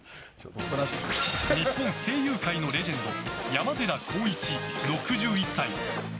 日本声優界のレジェンド山寺宏一、６１歳。